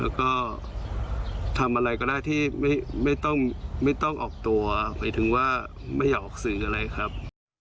แล้วก็ทำอะไรก็ได้ที่ไม่ต้องออกตัวหมายถึงว่าไม่อยากออกสื่ออะไรครับ